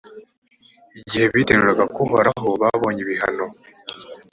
igihe biteruraga kuri uhoraho babonye ibihano.